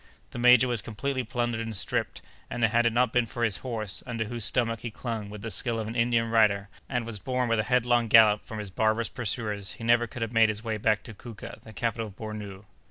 The major was completely plundered and stripped, and had it not been for his horse, under whose stomach he clung with the skill of an Indian rider, and was borne with a headlong gallop from his barbarous pursuers, he never could have made his way back to Kouka, the capital of Bornou."